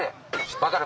分かる？